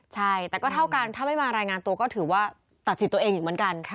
ใช่แต่ก็เท่ากันถ้าไม่มารายงานตัวก็ถือว่าตัดสิทธิ์ตัวเองอีกเหมือนกัน